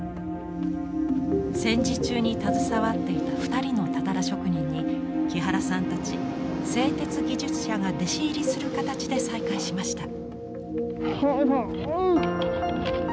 戦時中に携わっていた２人のたたら職人に木原さんたち製鉄技術者が弟子入りする形で再開しました。